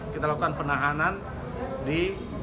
kita lakukan penahanan di